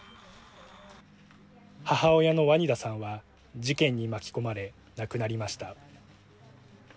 母親のワニダさんは事件に巻き込まれ亡くなりました。